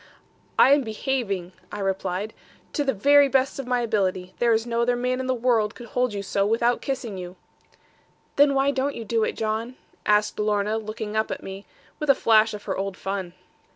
'I am behaving.' I replied, 'to the very best of my ability. There is no other man in the world could hold you so, without kissing you.' 'Then why don't you do it, John?' asked Lorna, looking up at me, with a flash of her old fun.